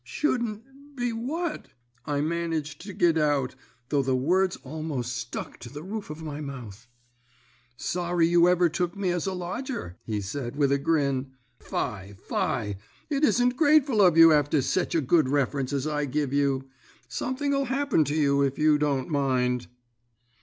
"'Shouldn't be what?' I managed to git out, though the words almost stuck to the roof of my mouth. "'Sorry you ever took me as a lodger,' he said with a grin. 'Fye, fye! It isn't grateful of you after sech a good reference as I give you. Something 'll happen to you if you don't mind.'